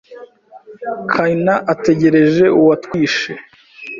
Kaina ategereje uwatwishe